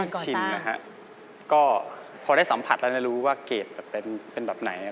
ก็ชินนะฮะก็พอได้สัมผัสแล้วรู้ว่าเกรดแบบเป็นแบบไหน